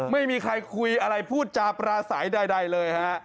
ไม่มีใครคุยอะไรพูดจาปราศัยใดเลยฮะ